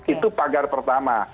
itu pagar pertama